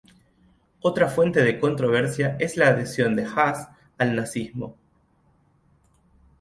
Otra fuente de controversia es la adhesión de Haas al Nazismo.